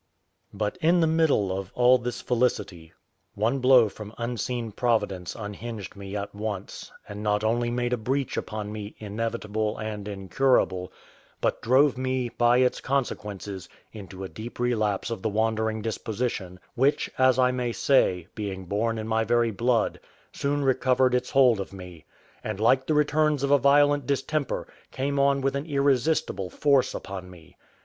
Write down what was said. But in the middle of all this felicity, one blow from unseen Providence unhinged me at once; and not only made a breach upon me inevitable and incurable, but drove me, by its consequences, into a deep relapse of the wandering disposition, which, as I may say, being born in my very blood, soon recovered its hold of me; and, like the returns of a violent distemper, came on with an irresistible force upon me.